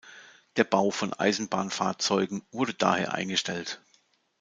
Der Bau von Eisenbahnfahrzeugen wurde daher eingestellt.